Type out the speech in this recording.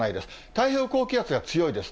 太平洋高気圧が強いです。